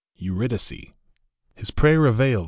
EURYDICE. IS prayer availed